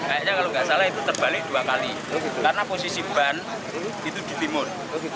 kayaknya kalau nggak salah itu terbalik dua kali karena posisi ban itu di timur